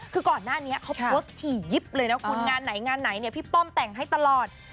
คือก่อนหน้านี้เขาโพสต์ถี่ยิบเลยนะคุณงานไหนงานไหนเนี่ยพี่ป้อมแต่งให้ตลอด